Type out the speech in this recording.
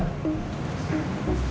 berharap apa ya